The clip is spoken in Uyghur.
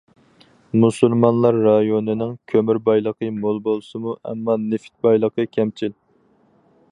مۇسۇلمانلار رايونىنىڭ كۆمۈر بايلىقى مول بولسىمۇ، ئەمما نېفىت بايلىقى كەمچىل.